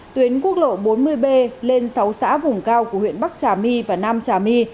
tuyến quốc lộ bốn mươi b lên sáu xã vùng cao của huyện bắc trà my và nam trà my